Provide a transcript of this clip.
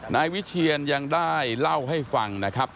นายวิเชียนยังได้เล่าให้ฟังนะครับ